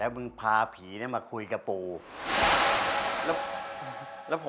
ไม่ได้ครับ